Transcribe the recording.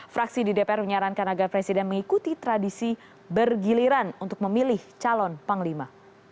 fraksi di dpr menyarankan agar presiden mengikuti tradisi bergiliran untuk memilih calon panglima